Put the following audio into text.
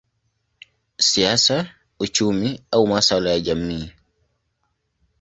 siasa, uchumi au masuala ya jamii.